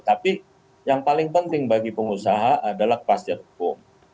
tapi yang paling penting bagi pengusaha adalah kepastian hukum